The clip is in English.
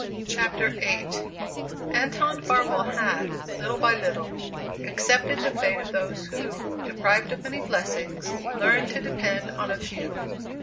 CHAPTER VIII Anton Farwell had, little by little, accepted the fate of those who, deprived of many blessings, learn to depend on a few.